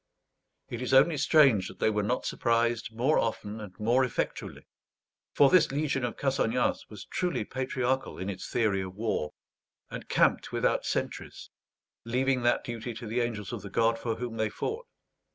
It is only strange that they were not surprised more often and more effectually; for this legion of Cassagnas was truly patriarchal in its theory of war, and camped without sentries, leaving that duty to the angels of the God for whom they fought.